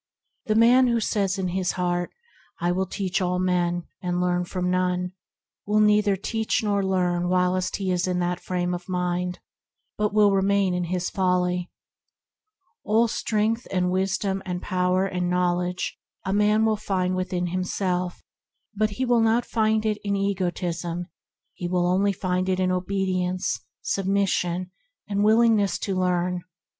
The man who says in his heart, "I will teach all men, and learn from none," THE UNFAILING WISDOM 109 will neither teach nor learn while in that frame of mind, but will remain in his folly. All strength and wisdom and power and knowledge a man will find within himself, but he will not find it in egotism; he will find it only in obedience, submission, and willingness to learn.